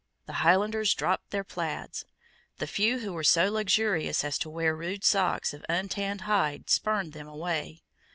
The Highlanders dropped their plaids. The few who were so luxurious as to wear rude socks of untanned hide spurned them away.